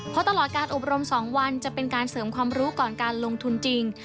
เพราะตลอดการอบรม๒วันจะเป็นการเสริมความรู้ก่อนการลงทุนจริง